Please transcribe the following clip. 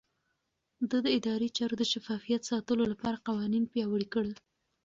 ده د ادارې چارو د شفافيت ساتلو لپاره قوانين پياوړي کړل.